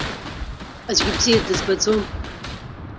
Аӡәгьы бзиа дызбаӡом.